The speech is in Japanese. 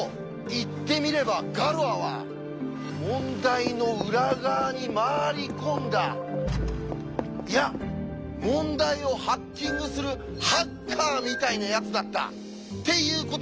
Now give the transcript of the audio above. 言ってみればガロアは問題の裏側に回り込んだいや問題をハッキングするハッカーみたいなやつだったっていうことなんですよ！